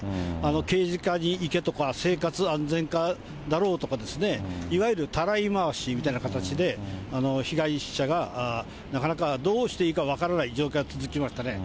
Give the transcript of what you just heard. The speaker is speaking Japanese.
刑事課に行けとか、生活安全課だろうとか、いわゆるたらい回しみたいな形で、被害者がなかなか、どうしていいか分からない状況が続きましたね。